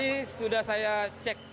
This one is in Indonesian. ini sudah saya cek